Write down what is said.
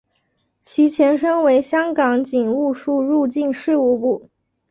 其前身为香港警务处入境事务部。